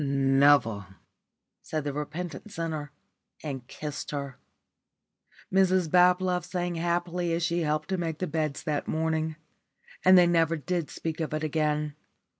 "Never," said the repentant sinner, and kissed her. Mrs Bablove sang happily as she helped to make the beds that morning. And they never did speak of it again.